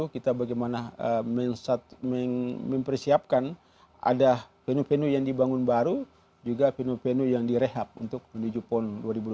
kita bagaimana mempersiapkan ada venue venue yang dibangun baru juga venue venue yang direhab untuk menuju pon dua ribu dua puluh